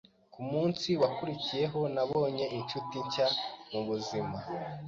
Ku munsi wakurikiyeho nabonye inshuti nshya mu buzima